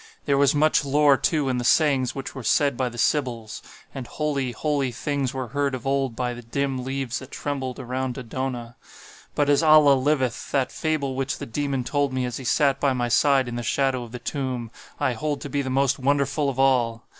There was much lore too in the sayings which were said by the Sybils; and holy, holy things were heard of old by the dim leaves that trembled around Dodona—but, as Allah liveth, that fable which the Demon told me as he sat by my side in the shadow of the tomb, I hold to be the most wonderful of all!